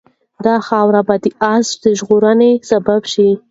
دا خاوره به د آس د ژغورنې سبب شي.